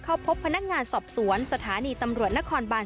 เข้าพบพนักงานสอบสวนสถานีตำรวจนครบาน